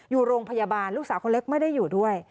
อยู่โรงพยาบาลลูกสาวคนเล็กไม่ได้อยู่ด้วย